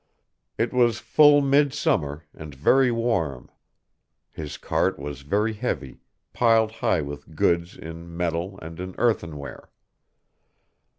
It was full midsummer, and very warm. His cart was very heavy, piled high with goods in metal and in earthenware.